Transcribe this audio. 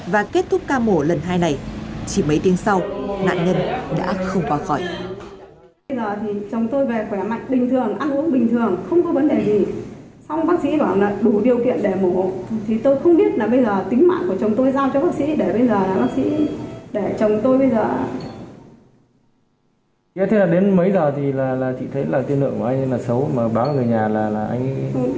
và kết thúc ca mổ lần hai này chỉ mấy tiếng sau nạn nhân đã không qua khỏi